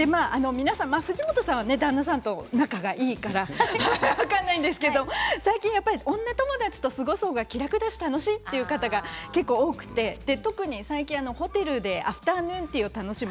藤本さんは旦那さんと仲がいいから分からないですけれど最近は女友達と過ごすのが気楽で楽しいという方が多くて特に最近はホテルでアフタヌーンティーを楽しむ